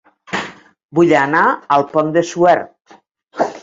Vull anar a El Pont de Suert